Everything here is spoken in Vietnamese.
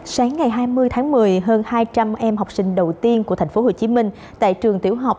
sáng ngày hai mươi tháng một mươi hơn hai trăm linh em học sinh đầu tiên của thành phố hồ chí minh tại trường tiểu học